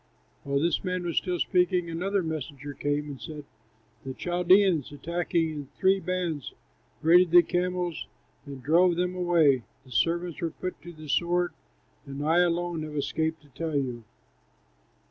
While this man was still speaking, another messenger came and said, "The Chaldeans, attacking in three bands, raided the camels and drove them away; the servants were put to the sword, and I alone have escaped to tell you."